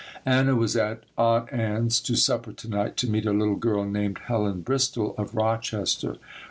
Anna was at Aunt Ann's to supper to night to meet a little girl named Helen Bristol, of Rochester.